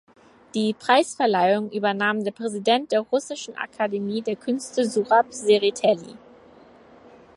Die Preisverleihung übernahm der Präsident der Russischen Akademie der Künste Surab Zereteli.